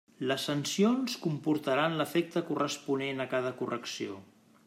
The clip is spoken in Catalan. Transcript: Les sancions comportaran l'efecte corresponent a cada correcció.